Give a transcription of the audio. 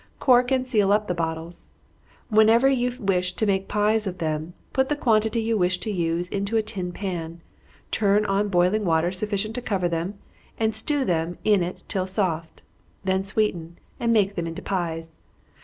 Cork and seal up the bottles. Whenever you wish to make pies of them, put the quantity you wish to use into a tin pan, turn on boiling water sufficient to cover them, and stew them in it till soft, then sweeten, and make them into pies.